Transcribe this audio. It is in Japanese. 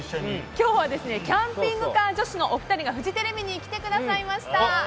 今日はキャンピングカー女子のお二人がフジテレビに来てくださいました。